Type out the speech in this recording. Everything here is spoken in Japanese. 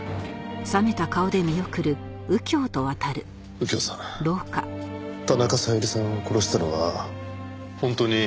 右京さん田中小百合さんを殺したのは本当に彼女なんですかね？